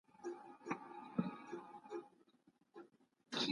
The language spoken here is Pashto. مرګ تر ټولو بدبختیو وروسته یو سکون دی.